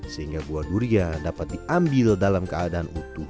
sehingga buah durian dapat diambil dalam keadaan utuh